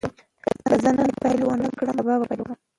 که زه نن پیل نه کړم، سبا به پیل کړم.